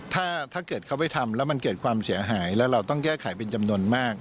ถ้าเกิดเขาไปทำแล้วมันเกิดความเสียหายแล้วเราต้องแก้ไขเป็นจำนวนมาก